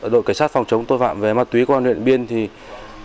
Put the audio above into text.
đội cảnh sát phòng chống tội phạm về ma túy công an huyện điện biên thì